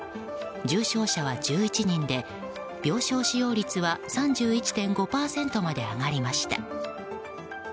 重症者は１１人で病床使用率は３１．５％まで上がりました。